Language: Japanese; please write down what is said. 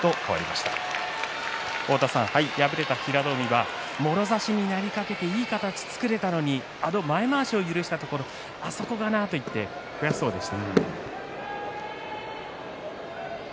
敗れた平戸海はもろ差しになりかけていい形を作れたのにあの前まわしを許したところをあそこがなと言って悔しそうでした。